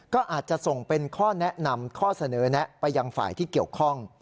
ก็อาจจะส่งเป็นข้อแนะนำข้อเสนอแนะไปยังฝ่ายที่เกี่ยวข้อง